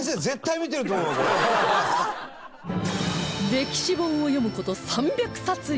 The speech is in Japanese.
歴史本を読む事３００冊以上！